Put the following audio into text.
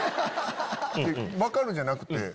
「分かる」じゃなくて。